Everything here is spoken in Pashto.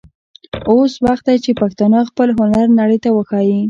اوس وخت دی چې پښتانه خپل هنر نړۍ ته وښايي.